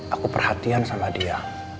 aku perhatian sama dia